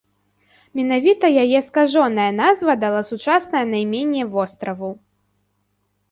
Менавіта яе скажоная назва дала сучаснае найменне востраву.